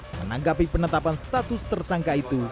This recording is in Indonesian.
menanggapi penetapan status tersangka itu